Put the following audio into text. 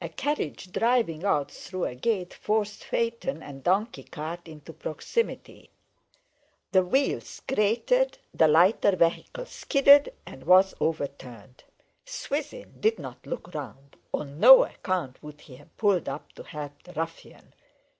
A carriage driving out through a gate forced phaeton and donkey cart into proximity; the wheels grated, the lighter vehicle skidded, and was overturned. Swithin did not look round. On no account would he have pulled up to help the ruffian.